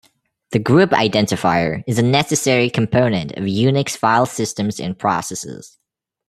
The group identifier is a necessary component of Unix file systems and processes.